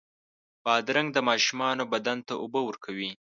بادرنګ د ماشومانو بدن ته اوبه ورکوي.